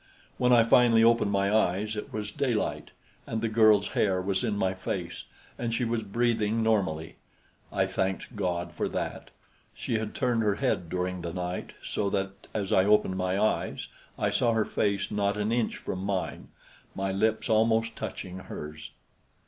When I finally opened my eyes, it was daylight, and the girl's hair was in my face, and she was breathing normally. I thanked God for that. She had turned her head during the night so that as I opened my eyes I saw her face not an inch from mine, my lips almost touching hers.